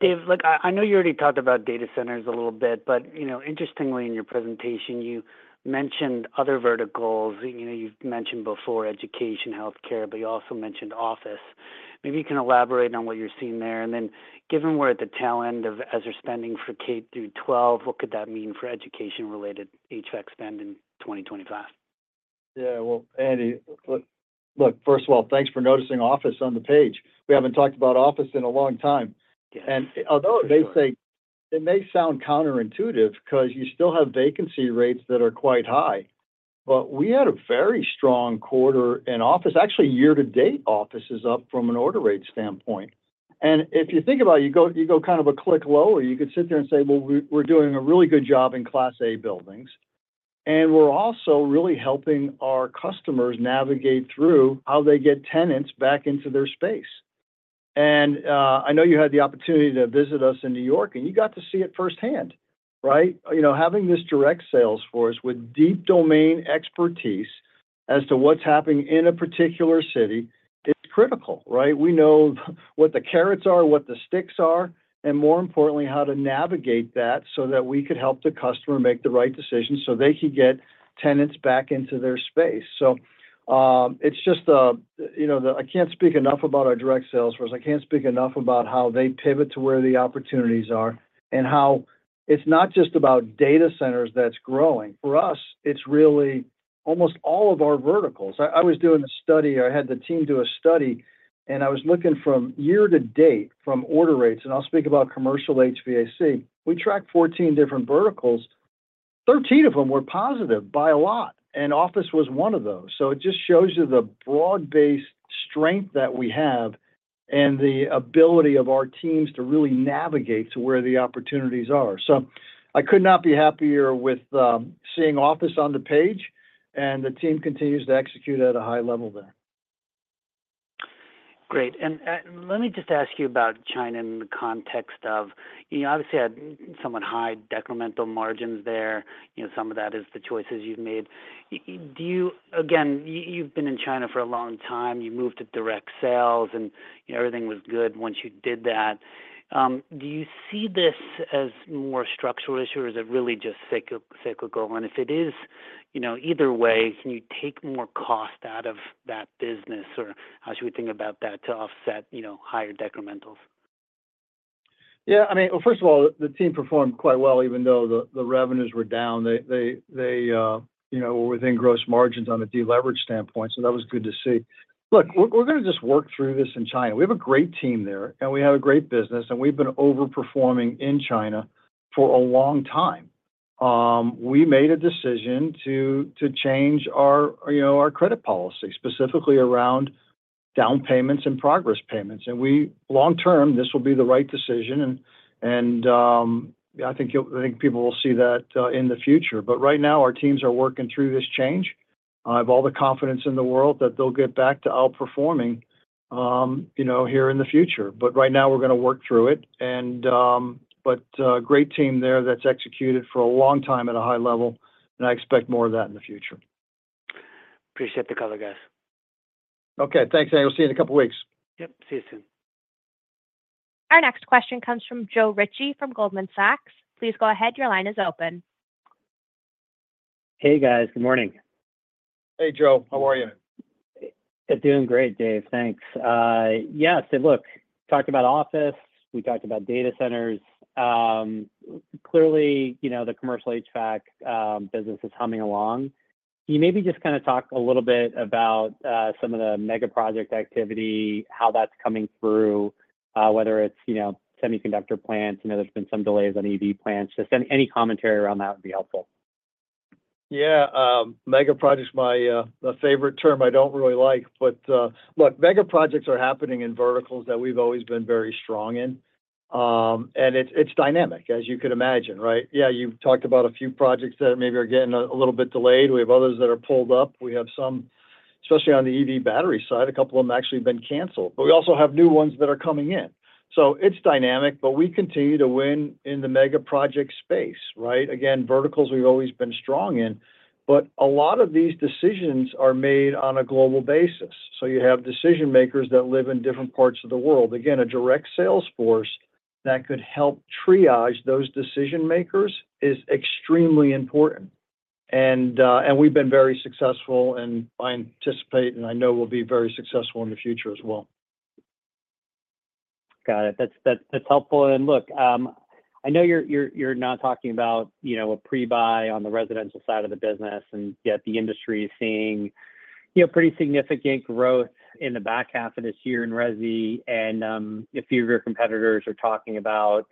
Dave, look, I know you already talked about data centers a little bit, but interestingly, in your presentation, you mentioned other verticals. You've mentioned before education, healthcare, but you also mentioned office. Maybe you can elaborate on what you're seeing there. And then given we're at the tail end of ESSER spending for K through 12, what could that mean for education-related HVAC spend in 2025? Yeah. Well, Andy, look, first of all, thanks for noticing office on the page. We haven't talked about office in a long time, and although it may sound counterintuitive because you still have vacancy rates that are quite high, but we had a very strong quarter in office. Actually, year-to-date, office is up from an order rate standpoint, and if you think about it, you go kind of a click lower, you could sit there and say, "Well, we're doing a really good job in Class A buildings," and we're also really helping our customers navigate through how they get tenants back into their space, and I know you had the opportunity to visit us in New York, and you got to see it firsthand, right? Having this direct sales force with deep domain expertise as to what's happening in a particular city is critical, right? We know what the carrots are, what the sticks are, and more importantly, how to navigate that so that we could help the customer make the right decision so they can get tenants back into their space. So it's just, I can't speak enough about our direct sales force. I can't speak enough about how they pivot to where the opportunities are and how it's not just about data centers that's growing. For us, it's really almost all of our verticals. I was doing a study. I had the team do a study, and I was looking year-to-date from order rates, and I'll speak about commercial HVAC. We tracked 14 different verticals. 13 of them were positive by a lot, and office was one of those. So it just shows you the broad-based strength that we have and the ability of our teams to really navigate to where the opportunities are. So I could not be happier with seeing office on the page, and the team continues to execute at a high level there. Great. And let me just ask you about China in the context of, obviously, had somewhat high decremental margins there. Some of that is the choices you've made. Again, you've been in China for a long time. You moved to direct sales, and everything was good once you did that. Do you see this as more structural issue, or is it really just cyclical? And if it is, either way, can you take more cost out of that business, or how should we think about that to offset higher decrementals? Yeah, I mean, well, first of all, the team performed quite well, even though the revenues were down. They were within gross margins on a deleverage standpoint, so that was good to see. Look, we're going to just work through this in China. We have a great team there, and we have a great business, and we've been overperforming in China for a long time. We made a decision to change our credit policy, specifically around down payments and progress payments, and long-term, this will be the right decision, and I think people will see that in the future, but right now, our teams are working through this change. I have all the confidence in the world that they'll get back to outperforming here in the future, but right now, we're going to work through it. But great team there that's executed for a long time at a high level, and I expect more of that in the future. Appreciate the color, guys. Okay. Thanks, Andy. We'll see you in a couple of weeks. Yep. See you soon. Our next question comes from Joe Ritchie from Goldman Sachs. Please go ahead. Your line is open. Hey, guys. Good morning. Hey, Joe. How are you? Doing great, Dave. Thanks. Yeah. So look, talked about office. We talked about data centers. Clearly, the commercial HVAC business is humming along. Can you maybe just kind of talk a little bit about some of the mega project activity, how that's coming through, whether it's semiconductor plants. I know there's been some delays on EV plants. Just any commentary around that would be helpful. Yeah. Mega projects is my favorite term I don't really like. But look, mega projects are happening in verticals that we've always been very strong in, and it's dynamic, as you could imagine, right? Yeah. You've talked about a few projects that maybe are getting a little bit delayed. We have others that are pulled up. We have some, especially on the EV battery side. A couple of them actually have been canceled. But we also have new ones that are coming in. So it's dynamic, but we continue to win in the mega project space, right? Again, verticals we've always been strong in. But a lot of these decisions are made on a global basis. So you have decision-makers that live in different parts of the world. Again, a direct sales force that could help triage those decision-makers is extremely important. We've been very successful and I anticipate and I know we'll be very successful in the future as well. Got it. That's helpful. And look, I know you're now talking about a pre-buy on the residential side of the business, and yet the industry is seeing pretty significant growth in the back half of this year in resi. And a few of your competitors are talking about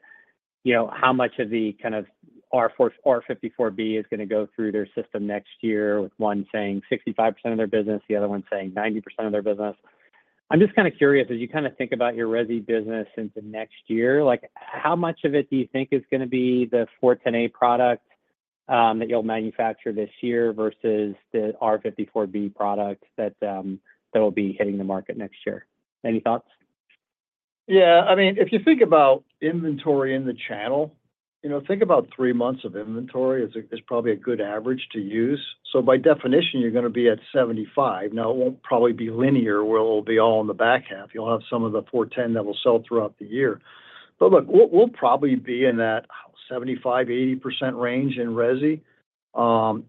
how much of the kind of R-454B is going to go through their system next year, with one saying 65% of their business, the other one saying 90% of their business. I'm just kind of curious, as you kind of think about your resi business into next year, how much of it do you think is going to be the R-410A product that you'll manufacture this year versus the R-454B product that will be hitting the market next year? Any thoughts? Yeah. I mean, if you think about inventory in the channel, think about three months of inventory is probably a good average to use. So by definition, you're going to be at 75. Now, it won't probably be linear where it'll be all in the back half. You'll have some of the 410 that will sell throughout the year. But look, we'll probably be in that 75%-80% range in resi.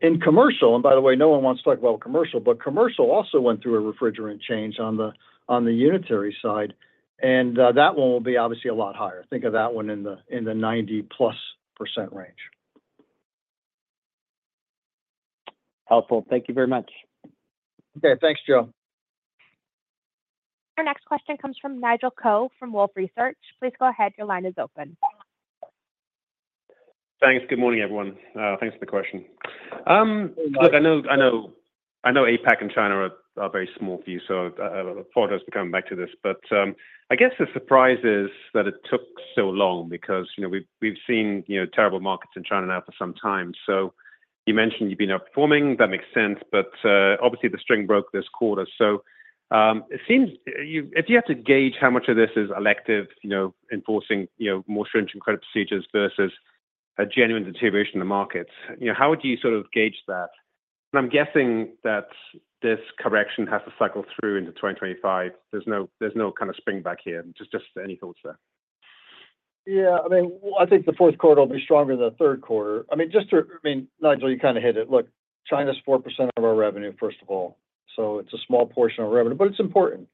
In commercial, and by the way, no one wants to talk about commercial, but commercial also went through a refrigerant change on the unitary side. And that one will be obviously a lot higher. Think of that one in the 90%+ range. Helpful. Thank you very much. Okay. Thanks, Joe. Our next question comes from Nigel Coe from Wolfe Research. Please go ahead. Your line is open. Thanks. Good morning, everyone. Thanks for the question. Look, I know APAC and China are a very small few, so apologies for coming back to this. But I guess the surprise is that it took so long because we've seen terrible markets in China now for some time. So you mentioned you've been outperforming. That makes sense. But obviously, the streak broke this quarter. So it seems if you have to gauge how much of this is elective, enforcing more stringent credit procedures versus a genuine deterioration in the markets, how would you sort of gauge that? And I'm guessing that this correction has to cycle through into 2025. There's no kind of spring back here. Just any thoughts there? Yeah. I mean, I think the fourth quarter will be stronger than the third quarter. I mean, Nigel, you kind of hit it. Look, China's 4% of our revenue, first of all. So it's a small portion of our revenue, but it's important.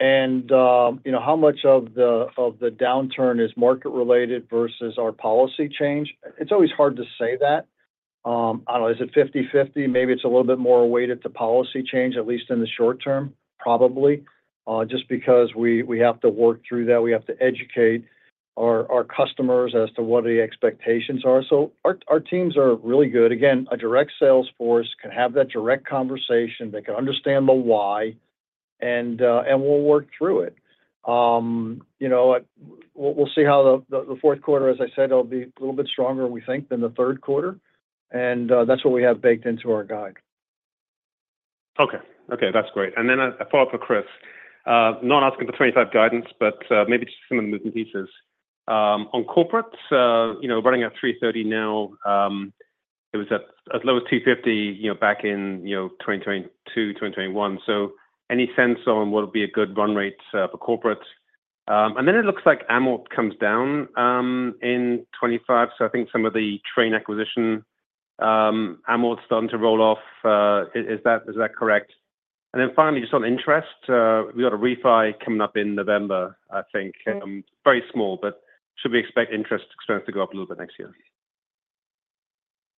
And how much of the downturn is market-related versus our policy change? It's always hard to say that. I don't know. Is it 50/50? Maybe it's a little bit more weighted to policy change, at least in the short term, probably, just because we have to work through that. We have to educate our customers as to what the expectations are. So our teams are really good. Again, a direct sales force can have that direct conversation. They can understand the why, and we'll work through it. We'll see how the fourth quarter, as I said, it'll be a little bit stronger, we think, than the third quarter, and that's what we have baked into our guide. Okay. Okay. That's great. And then a follow-up for Chris. Not asking for 25 guidance, but maybe just some of the moving pieces. On corporate, running at 330 now, it was as low as 250 back in 2022, 2021. So any sense on what would be a good run rate for corporates? And then it looks like amort comes down in 25. So I think some of the Trane acquisition, amort's starting to roll off. Is that correct? And then finally, just on interest, we got a refi coming up in November, I think. Very small, but should we expect interest expense to go up a little bit next year?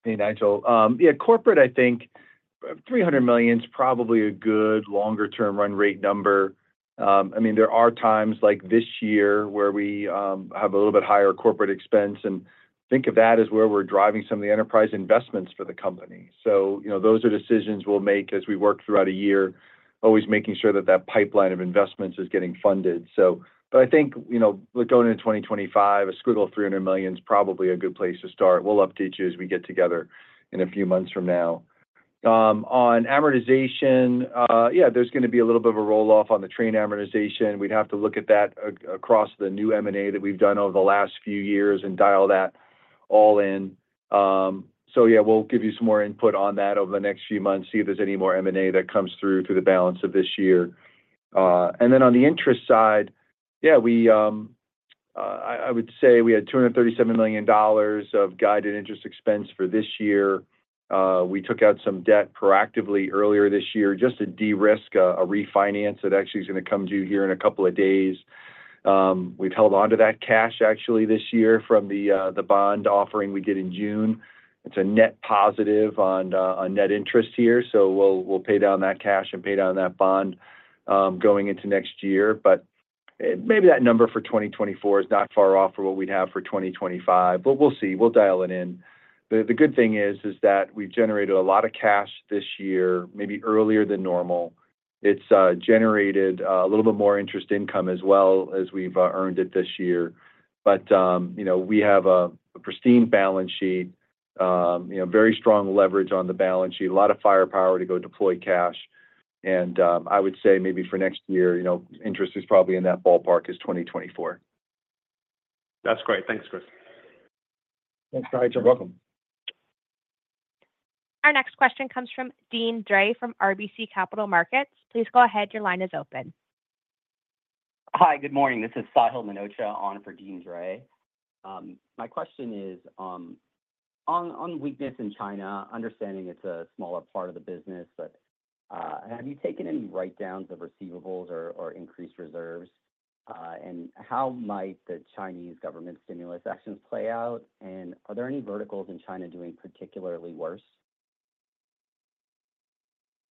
Hey, Nigel. Yeah. Corporate, I think $300 million is probably a good longer-term run rate number. I mean, there are times like this year where we have a little bit higher corporate expense, and think of that as where we're driving some of the enterprise investments for the company. So those are decisions we'll make as we work throughout a year, always making sure that that pipeline of investments is getting funded. But I think going into 2025, a squiggle of $300 million is probably a good place to start. We'll update you as we get together in a few months from now. On amortization, yeah, there's going to be a little bit of a roll-off on the Trane amortization. We'd have to look at that across the new M&A that we've done over the last few years and dial that all in. So yeah, we'll give you some more input on that over the next few months, see if there's any more M&A that comes through the balance of this year. And then on the interest side, yeah, I would say we had $237 million of guided interest expense for this year. We took out some debt proactively earlier this year just to de-risk a refinance that actually is going to come due here in a couple of days. We've held on to that cash actually this year from the bond offering we did in June. It's a net positive on net interest here. So we'll pay down that cash and pay down that bond going into next year. But maybe that number for 2024 is not far off from what we'd have for 2025. But we'll see. We'll dial it in. The good thing is that we've generated a lot of cash this year, maybe earlier than normal. It's generated a little bit more interest income as well as we've earned it this year, but we have a pristine balance sheet, very strong leverage on the balance sheet, a lot of firepower to go deploy cash, and I would say maybe for next year, interest is probably in that ballpark as 2024. That's great. Thanks, Chris. Thanks, Nigel. You're welcome. Our next question comes from Deane Dray from RBC Capital Markets. Please go ahead. Your line is open. Hi. Good morning. This is Sahil Manocha, on for Deane Dray. My question is, on weakness in China, understanding it's a smaller part of the business, but have you taken any write-downs of receivables or increased reserves? And how might the Chinese government stimulus actions play out? And are there any verticals in China doing particularly worse?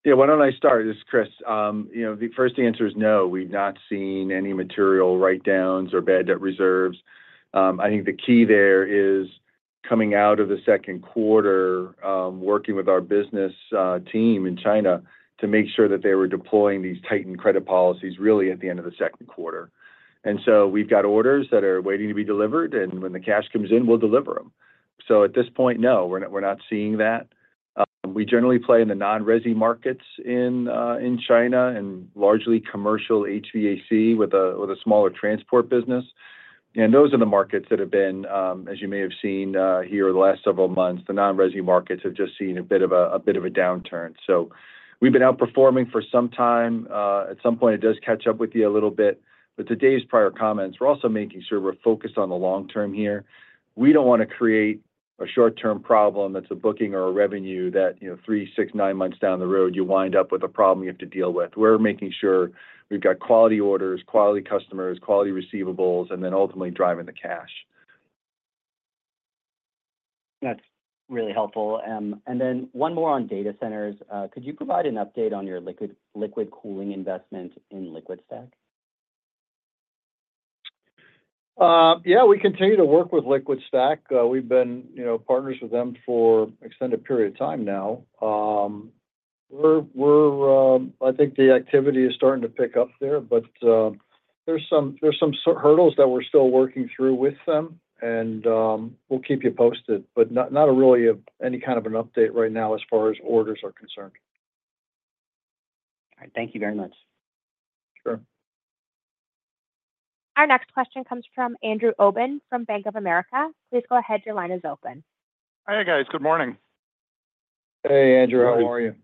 Yeah. Why don't I start? This is Chris. The first answer is no. We've not seen any material write-downs or bad debt reserves. I think the key there is coming out of the second quarter, working with our business team in China to make sure that they were deploying these tightened credit policies really at the end of the second quarter. And so we've got orders that are waiting to be delivered, and when the cash comes in, we'll deliver them. So at this point, no, we're not seeing that. We generally play in the non-resi markets in China and largely commercial HVAC with a smaller transport business. And those are the markets that have been, as you may have seen here over the last several months, the non-resi markets have just seen a bit of a downturn. So we've been outperforming for some time. At some point, it does catch up with you a little bit. But to Dave's prior comments, we're also making sure we're focused on the long term here. We don't want to create a short-term problem that's a booking or a revenue that three, six, nine months down the road, you wind up with a problem you have to deal with. We're making sure we've got quality orders, quality customers, quality receivables, and then ultimately driving the cash. That's really helpful. And then one more on data centers. Could you provide an update on your liquid cooling investment in LiquidStack? Yeah. We continue to work with LiquidStack. We've been partners with them for an extended period of time now. I think the activity is starting to pick up there, but there's some hurdles that we're still working through with them, and we'll keep you posted. But not really any kind of an update right now as far as orders are concerned. All right. Thank you very much. Sure. Our next question comes from Andrew Obin from Bank of America. Please go ahead. Your line is open. Hey, guys. Good morning. Hey, Andrew. How are you?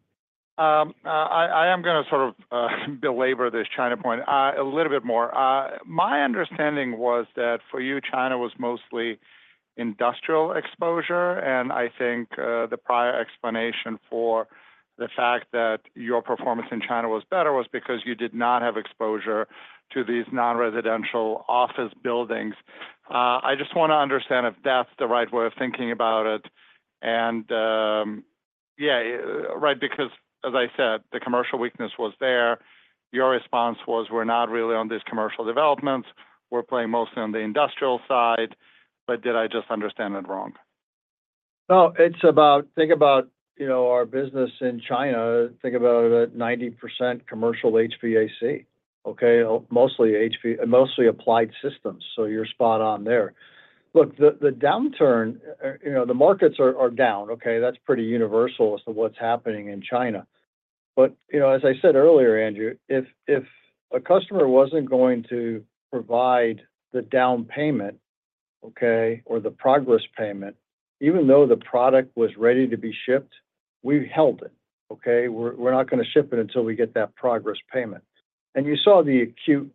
I am going to sort of belabor this China point a little bit more. My understanding was that for you, China was mostly industrial exposure. And I think the prior explanation for the fact that your performance in China was better because you did not have exposure to these non-residential office buildings. I just want to understand if that's the right way of thinking about it, and yeah, right, because as I said, the commercial weakness was there. Your response was, "We're not really on these commercial developments. We're playing mostly on the industrial side," but did I just understand it wrong? Think about our business in China. Think about it at 90% commercial HVAC, okay? Mostly applied systems. So you're spot on there. Look, the downturn, the markets are down, okay? That's pretty universal as to what's happening in China. But as I said earlier, Andrew, if a customer wasn't going to provide the down payment, okay, or the progress payment, even though the product was ready to be shipped, we've held it, okay? We're not going to ship it until we get that progress payment. And you saw the acute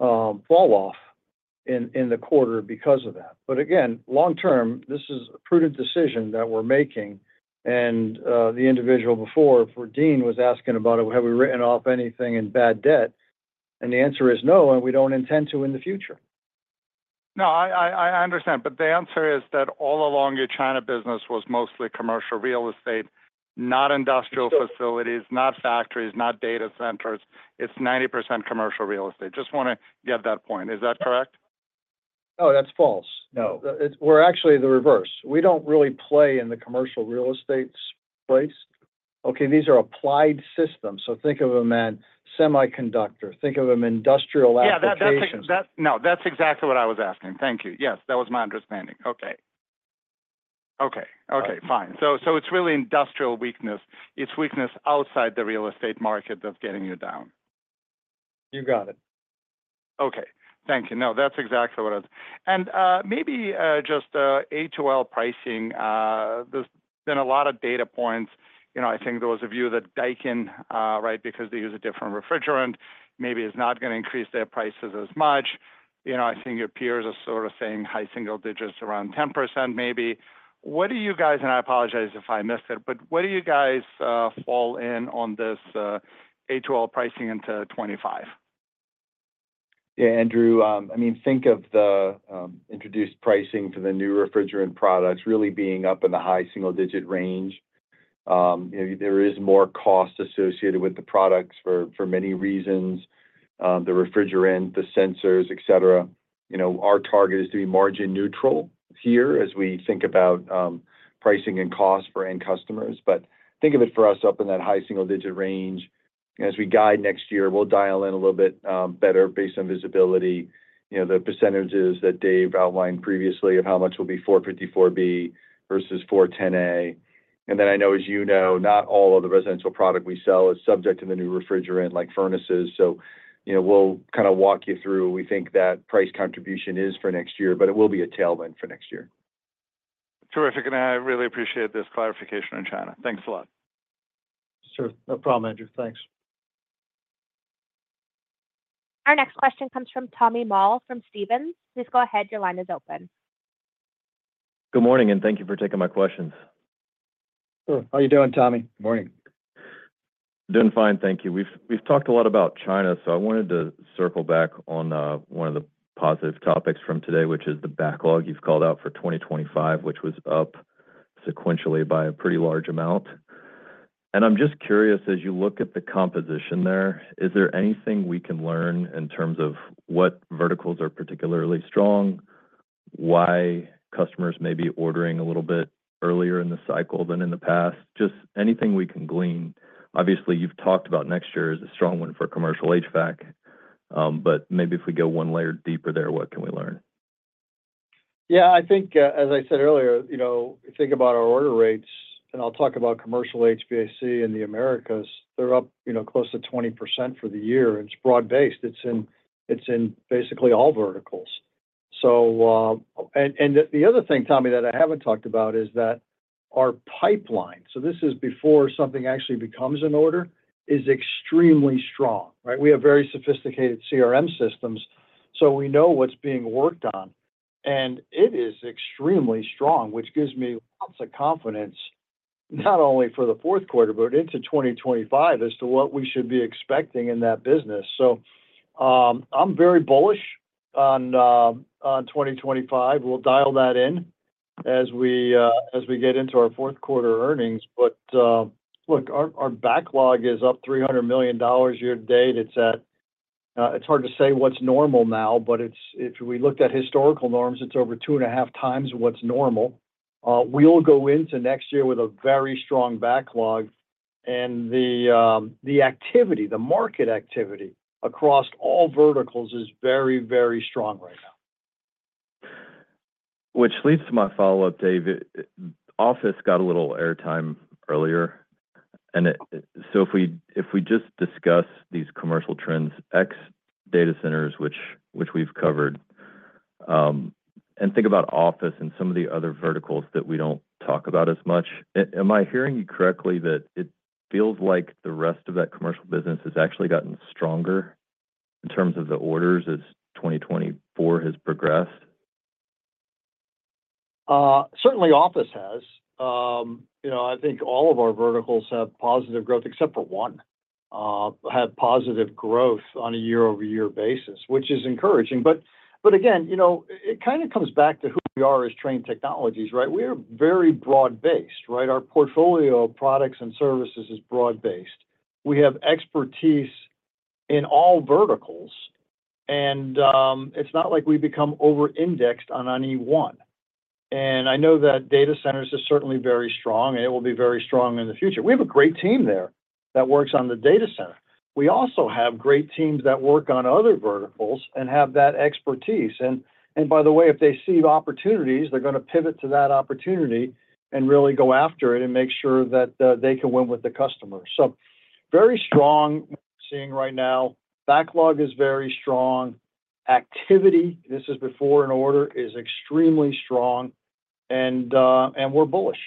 falloff in the quarter because of that. But again, long term, this is a prudent decision that we're making. And the individual before, for Deane, was asking about it, "Have we written off anything in bad debt?" And the answer is no, and we don't intend to in the future. No, I understand. But the answer is that all along your China business was mostly commercial real estate, not industrial facilities, not factories, not data centers. It's 90% commercial real estate. Just want to get that point. Is that correct? No, that's false. No. We're actually the reverse. We don't really play in the commercial real estate space. Okay? These are applied systems. So think of them as semiconductor. Think of them as industrial applications. Yeah. No, that's exactly what I was asking. Thank you. Yes, that was my understanding. Okay. Fine. So it's really industrial weakness. It's weakness outside the real estate market that's getting you down. You got it. Okay. Thank you. No, that's exactly what I was, and maybe just A2L pricing. There's been a lot of data points. I think there was a view that Daikin, right, because they use a different refrigerant, maybe it's not going to increase their prices as much. I think your peers are sort of saying high single digits around 10% maybe. What do you guys, and I apologize if I missed it, but what do you guys fall in on this A2L pricing into 2025? Yeah, Andrew. I mean, think of the introduced pricing for the new refrigerant products really being up in the high single-digit range. There is more cost associated with the products for many reasons: the refrigerant, the sensors, etc. Our target is to be margin-neutral here as we think about pricing and cost for end customers. But think of it for us up in that high single-digit range. As we guide next year, we'll dial in a little bit better based on visibility, the percentages that Dave outlined previously of how much will be 454B versus 410A. And then I know, as you know, not all of the residential product we sell is subject to the new refrigerant like furnaces. So we'll kind of walk you through. We think that price contribution is for next year, but it will be a tailwind for next year. Terrific, and I really appreciate this clarification on China. Thanks a lot. Sure. No problem, Andrew. Thanks. Our next question comes from Tommy Moll from Stephens. Please go ahead. Your line is open. Good morning, and thank you for taking my questions. Sure. How are you doing, Tommy? Good morning. Doing fine. Thank you. We've talked a lot about China, so I wanted to circle back on one of the positive topics from today, which is the backlog you've called out for 2025, which was up sequentially by a pretty large amount. And I'm just curious, as you look at the composition there, is there anything we can learn in terms of what verticals are particularly strong, why customers may be ordering a little bit earlier in the cycle than in the past? Just anything we can glean. Obviously, you've talked about next year as a strong one for commercial HVAC, but maybe if we go one layer deeper there, what can we learn? Yeah. I think, as I said earlier, think about our order rates, and I'll talk about commercial HVAC in the Americas. They're up close to 20% for the year, and it's broad-based. It's in basically all verticals, and the other thing, Tommy, that I haven't talked about is that our pipeline, so this is before something actually becomes an order, is extremely strong, right? We have very sophisticated CRM systems, so we know what's being worked on. And it is extremely strong, which gives me lots of confidence not only for the fourth quarter, but into 2025 as to what we should be expecting in that business, so I'm very bullish on 2025. We'll dial that in as we get into our fourth quarter earnings, but look, our backlog is up $300 million year-to-date. It's hard to say what's normal now, but if we looked at historical norms, it's over two and a half times what's normal. We'll go into next year with a very strong backlog, and the activity, the market activity across all verticals is very, very strong right now. Which leads to my follow-up, Dave. Office got a little airtime earlier. And so if we just discuss these commercial trends, ex data centers, which we've covered, and think about office and some of the other verticals that we don't talk about as much, am I hearing you correctly that it feels like the rest of that commercial business has actually gotten stronger in terms of the orders as 2024 has progressed? Certainly, office has. I think all of our verticals have positive growth, except for one, had positive growth on a year-over-year basis, which is encouraging. But again, it kind of comes back to who we are as Trane Technologies, right? We are very broad-based, right? Our portfolio of products and services is broad-based. We have expertise in all verticals, and it's not like we become over-indexed on any one. And I know that data centers are certainly very strong, and it will be very strong in the future. We have a great team there that works on the data center. We also have great teams that work on other verticals and have that expertise. And by the way, if they see opportunities, they're going to pivot to that opportunity and really go after it and make sure that they can win with the customer. So very strong scene right now. Backlog is very strong. Activity, this is before an order, is extremely strong, and we're bullish.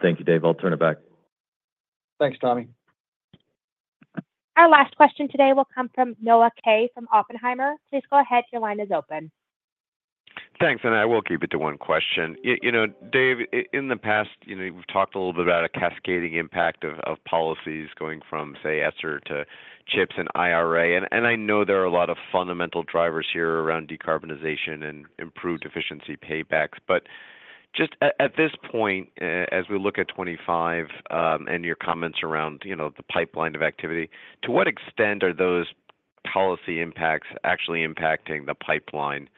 Thank you, Dave. I'll turn it back. Thanks, Tommy. Our last question today will come from Noah Kaye from Oppenheimer. Please go ahead. Your line is open. Thanks. And I will keep it to one question. Dave, in the past, we've talked a little bit about a cascading impact of policies going from, say, ESSER to CHIPS and IRA. And I know there are a lot of fundamental drivers here around decarbonization and improved efficiency paybacks. But just at this point, as we look at 2025 and your comments around the pipeline of activity, to what extent are those policy impacts actually impacting the pipeline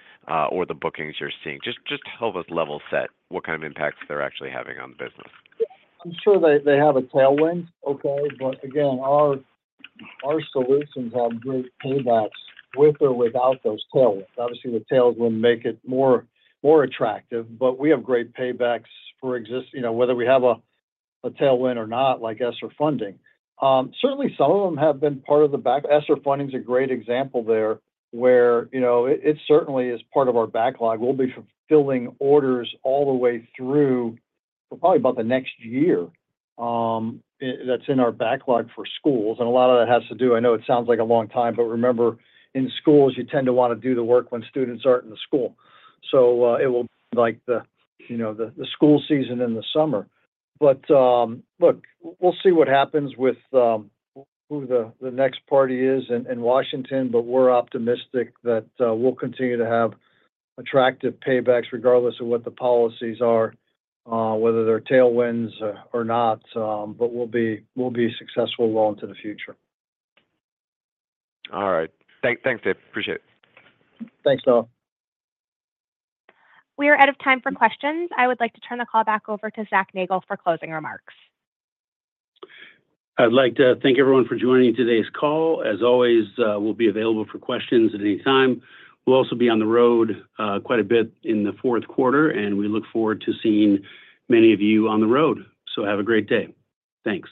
or the bookings you're seeing? Just help us level set what kind of impacts they're actually having on the business? I'm sure they have a tailwind, okay? But again, our solutions have great paybacks with or without those tailwinds. Obviously, the tailwinds make it more attractive, but we have great paybacks for whether we have a tailwind or not, like ESSER funding. Certainly, some of them have been part of the backlog. ESSER funding is a great example there where it certainly is part of our backlog. We'll be fulfilling orders all the way through for probably about the next year that's in our backlog for schools. And a lot of that has to do. I know it sounds like a long time, but remember, in schools, you tend to want to do the work when students aren't in the school. So it will be like the school season in the summer. But look, we'll see what happens with who the next party is in Washington, but we're optimistic that we'll continue to have attractive paybacks regardless of what the policies are, whether they're tailwinds or not, but we'll be successful well into the future. All right. Thanks, Dave. Appreciate it. Thanks, Noah. We are out of time for questions. I would like to turn the call back over to Zac Nagle for closing remarks. I'd like to thank everyone for joining today's call. As always, we'll be available for questions at any time. We'll also be on the road quite a bit in the fourth quarter, and we look forward to seeing many of you on the road. So have a great day. Thanks.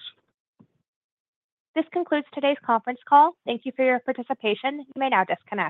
This concludes today's conference call. Thank you for your participation. You may now disconnect.